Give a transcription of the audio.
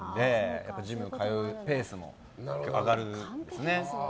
やっぱりジム通うペースも上がるんですね。